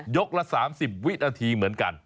ละ๓๐วินาทีเหมือนกัน